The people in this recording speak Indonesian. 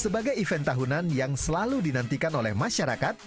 sebagai event tahunan yang selalu dinantikan oleh masyarakat